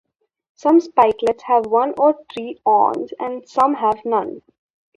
Some spikelets have one or three awns, and some have none.